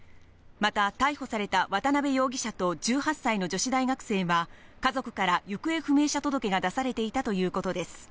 また逮捕された渡邉容疑者と１８歳の女子大学生は家族から行方不明者届が出されていたということです。